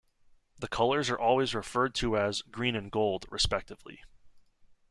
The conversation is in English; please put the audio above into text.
The colours are always referred to as "green and gold", respectively.